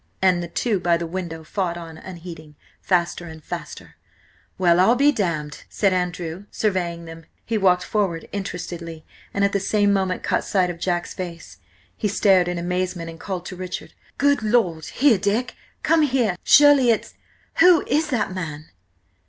And the two by the window fought on unheeding, faster and faster. "Well, I'm damned!" said Andrew, surveying them. He walked forward interestedly, and at the same moment caught sight of Jack's face. He stared in amazement, and called to Richard. "Good Lord! Here! Dick! Come here! Surely it's–who is that man?"